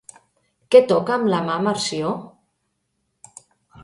Què toca amb la mà Melcior?